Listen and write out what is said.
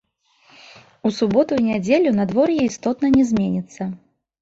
У суботу і нядзелю надвор'е істотна не зменіцца.